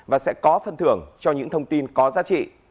và sẽ có phân thưởng cho những thông tin có giá trị